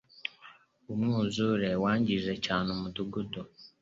Umwuzure wangije cyane umudugudu.